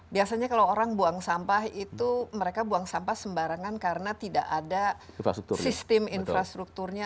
biasanya kalau orang buang sampah itu mereka buang sampah sembarangan karena tidak ada sistem infrastrukturnya